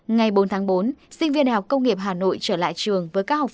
ngày bốn tháng bốn sinh viên học công nghiệp hà nội trở lại trường với các học phần thực hai